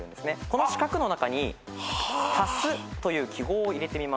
この四角の中に「＋」という記号を入れてみましょう。